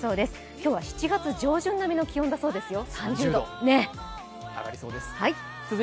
今日は、７月上旬並みの気温だそうですよ、３０度。